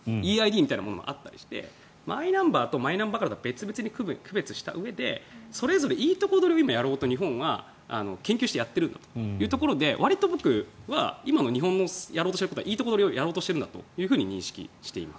マイナンバーとマイナンバーカードは別々に区別したうえでそれぞれいいとこ取りをやろうと日本は研究してやってるんだというところでわりと僕は今の日本のやろうとしてることはいいとこ取りをやろうとしているんだと認識しています。